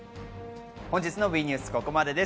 本日のＷＥニュース、ここまでです。